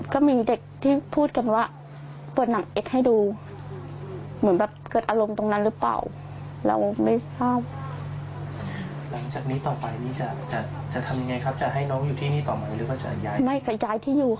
ก็มีเด็กที่พูดกันว่าเปิดหนังเอ็กซ์ให้ดูเหมือนแบบเกิดอารมณ์ตรงนั้นหรือเปล่าเราไม่ทราบ